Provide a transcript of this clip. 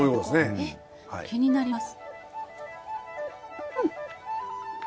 えっ気になります。